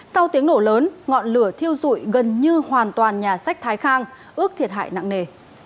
sau tiếng nổ lớn ngọn lửa thiêu dụi gần như hoàn toàn nhà sách thái khang ước thiệt hại nặng nề